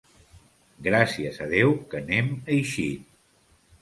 Gràcies a Déu que n'hem eixit.